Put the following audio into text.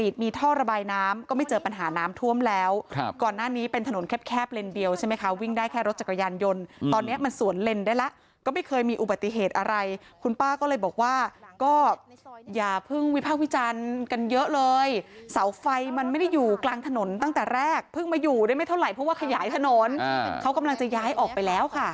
เดียวใช่ไหมคะวิ่งได้แค่รถจักรยานยนย์ตอนเนี้ยมันสวนเลนได้ล่ะก็ไม่เคยมีอุบัติเหตุอะไรคุณป้าก็เลยบอกว่าก็อย่าเพิ่งวิพากษ์วิจันทร์กันเยอะเลยเสาไฟมันไม่ได้อยู่กลางถนนตั้งแต่แรกเพิ่งมาอยู่ได้ไม่เท่าไหร่เพราะว่าขยายถนนเขากำลังจะย้ายออกไปแล้วค่ะ